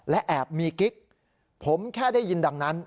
และแอบมีกิ๊กผมแค่ได้ยินดังนั้น